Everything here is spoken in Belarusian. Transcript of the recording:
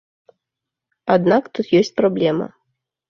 Аднак тут ёсць праблема.